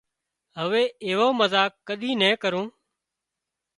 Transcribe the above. هوي ايوو مزاق ڪۮي نين ڪرون